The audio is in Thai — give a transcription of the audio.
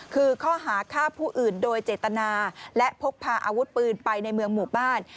คือข้อหาฆ่าผู้อื่นโดยเจตนาและพกพาอาวุธปืนไปในเมืองหมู่บ้าน